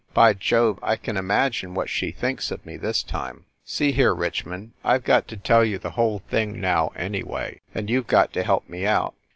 "By Jove, I can imagine what she thinks of me this time! See here, Rich mond, I ve got to tell you the whole thing now, any way. And you ve got to help me out.